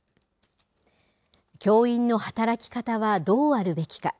教員の働き方はどうあるべきか。